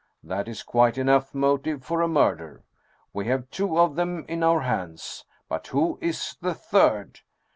That is quite enough motive for a murder. We have two of them in our hands ; but who is the third